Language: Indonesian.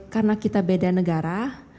karena kita berbeda negara